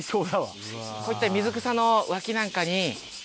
こういった水草の脇なんかに。